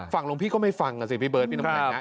ฝั่งหลวงพี่ก็ไม่ฟังอะสิพี่เบิร์ดพี่น้องแห่งนะ